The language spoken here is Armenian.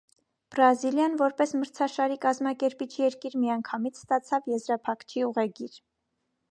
Բրազիլիան որպես մրցաշարի կազմակերպիչ երկիր միանգամից ստացավ եզրափակիչի ուղեգիր։